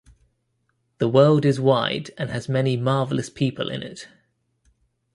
The world is wide, and has many marvellous people in it.